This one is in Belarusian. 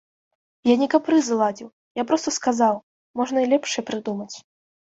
Я не капрызы ладзіў, я проста сказаў, можна і лепшае прыдумаць.